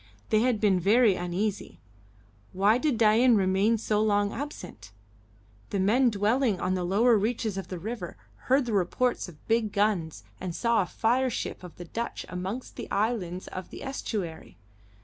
They had been very uneasy. Why did Dain remain so long absent? The men dwelling on the lower reaches of the river heard the reports of big guns and saw a fire ship of the Dutch amongst the islands of the estuary.